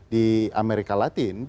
di amerika latin